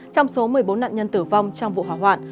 trong số một mươi bốn nạn nhân tử vong trong vụ hỏa hoạn